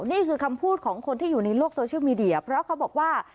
นี่คือคำพูดของคนที่อยู่ในโลกโซเชียลมีเดียเพราะเขาบอกว่า